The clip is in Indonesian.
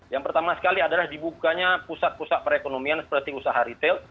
yang pertama sekali adalah dibukanya pusat pusat perekonomian seperti usaha retail